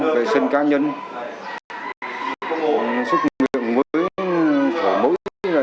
về sinh cá nhân sức nguyện mới khỏe mới